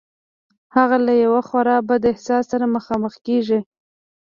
هغه له یوه خورا بد احساس سره مخ کېږي